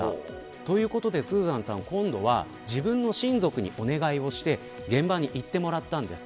ということでスーザンさん今度は自分の親族にお願いをして現場に行ってもらったんです。